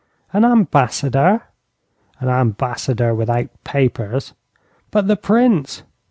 'An ambassador?' 'An ambassador without papers.' 'But the Prince?'